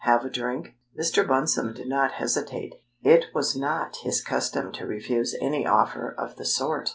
"Have a drink?" Mr. Bunsome did not hesitate it was not his custom to refuse any offer of the sort!